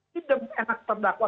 tidak enak terdakwa